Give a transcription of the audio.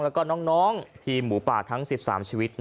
แล้วก็น้องทีมหมูป่าทั้ง๑๓ชีวิต